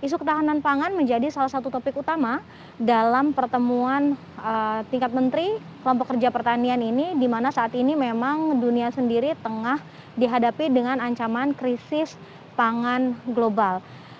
isu ketahanan pangan menjadi salah satu topik utama dalam pertemuan tingkat menteri kelompok kerja pertanian ini di mana saat ini memang dunia sendiri tengah dihadapi dengan ancaman krisis pangan global